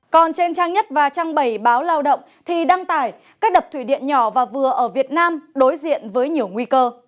còn trên trang nhất và trang bảy báo lao động thì đăng tải các đập thủy điện nhỏ và vừa ở việt nam đối diện với nhiều nguy cơ